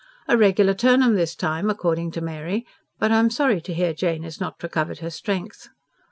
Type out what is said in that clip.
"A regular Turnham this time, according to Mary. But I am sorry to hear Jane has not recovered her strength."